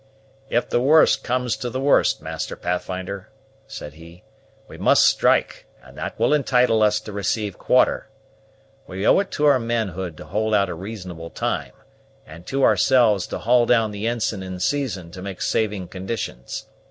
"If the worst comes to the worst, Master Pathfinder," said he, "we must strike, and that will entitle us to receive quarter. We owe it to our manhood to hold out a reasonable time, and to ourselves to haul down the ensign in season to make saving conditions.